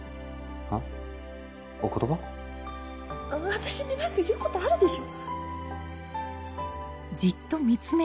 私に何か言うことあるでしょ？